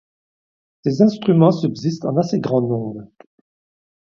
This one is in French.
Ces instruments subsistent en assez grand nombre.